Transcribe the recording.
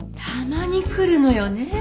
たまに来るのよね